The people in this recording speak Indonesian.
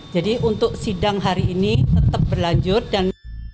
jadi untuk sidang hari ini tetap berlanjut dan